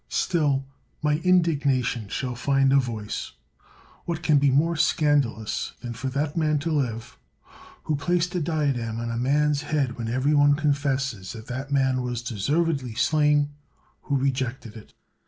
Still my indignation shall find a voice. What can be more scandalous than for that man to live who placed a diadem on a man 's head when every one confesses that that man was deservedly slain who rejected it?